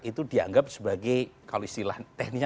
itu dianggap sebagai kalau istilah teknik